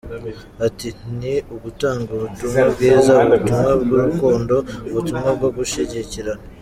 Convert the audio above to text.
Ati :”Ni ugutanga ubutumwa bwiza, ubutumwa bw’urukundo, Ubutumwa bwo gushyigikirana.